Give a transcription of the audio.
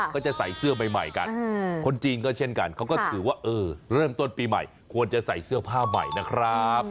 ก็จะใส่เสื้อใหม่กันคนจีนก็เช่นกันเขาก็ถือว่าเออเริ่มต้นปีใหม่ควรจะใส่เสื้อผ้าใหม่นะครับ